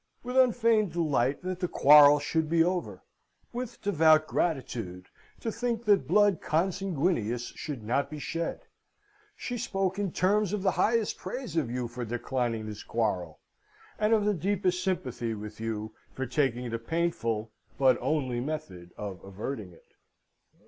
With unfeigned delight that the quarrel should be over with devout gratitude to think that blood consanguineous should not be shed she spoke in terms of the highest praise of you for declining this quarrel, and of the deepest sympathy with you for taking the painful but only method of averting it."